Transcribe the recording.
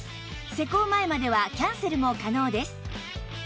施工前まではキャンセルも可能です